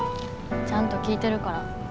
ちゃんと聞いてるから。